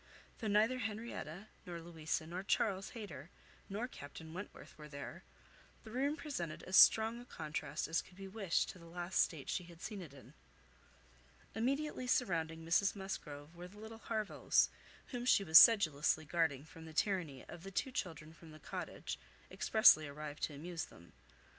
Though neither Henrietta, nor Louisa, nor Charles Hayter, nor Captain Wentworth were there, the room presented as strong a contrast as could be wished to the last state she had seen it in. Immediately surrounding Mrs Musgrove were the little Harvilles, whom she was sedulously guarding from the tyranny of the two children from the Cottage, expressly arrived to amuse them.